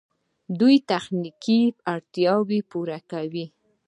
دوی تخنیکي اړتیاوې پوره کوي.